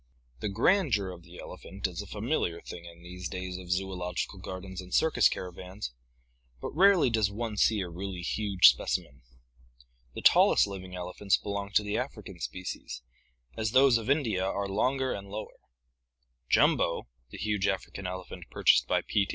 — The grandeur of the elephant is a familiar thing in these days of zoological gardens and circus caravans, but rarely does one see a really huge specimen. The tallest living elephants be ID I* a p PROBOSCIDEANS 581 long to the African species, as those of India are longer and lower. " Jumbo" (PI. XXI), the huge African elephant purchased by P. T.